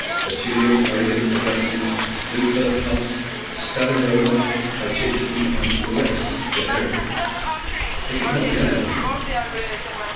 Tertullian, Origen, Augustine, Luther, Huss, Savonarola, Helchitsky, and the rest were heretics. It could not be otherwise.